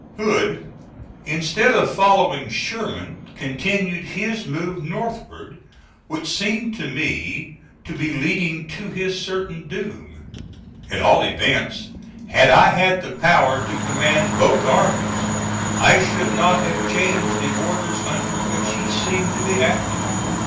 Hood, instead of following Sherman, continued his move northward, which seemed to me to be leading to his certain doom. At all events, had I had the power to command both armies, I should not have changed the orders under which he seemed to be acting.